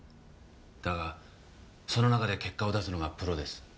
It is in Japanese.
だがその中で結果を出すのがプロです。